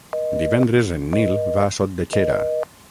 Divendres en Nil va a Sot de Xera.